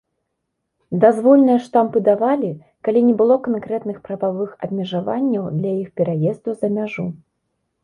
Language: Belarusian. Дазвольныя штампы давалі, калі не было канкрэтных прававых абмежаванняў для іх пераезду за мяжу.